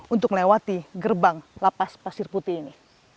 untuk melewati gerbang lapas pasir putih ini